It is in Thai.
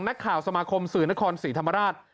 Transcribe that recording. นักข่าวสมาคมสื่อนครศรีธรรมราช